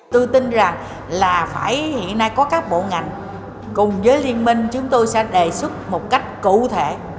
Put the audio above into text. tôi tin rằng là phải hiện nay có các bộ ngành cùng với liên minh chúng tôi sẽ đề xuất một cách cụ thể